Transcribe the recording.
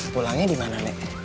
pulangnya di mana nek